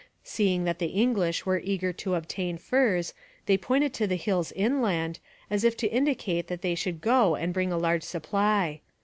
Seeing that the English were eager to obtain furs, they pointed to the hills inland, as if to indicate that they should go and bring a large supply.